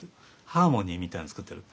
ハーモニーみたいなの作ってる。